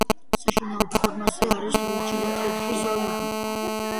საშინაო ფორმაზე არის ლურჯი და თეთრი ზოლები.